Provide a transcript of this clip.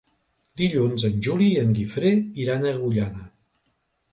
Dilluns en Juli i en Guifré iran a Agullana.